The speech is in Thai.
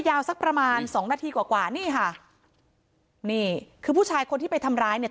ยาวสักประมาณสองนาทีกว่ากว่านี่ค่ะนี่คือผู้ชายคนที่ไปทำร้ายเนี่ย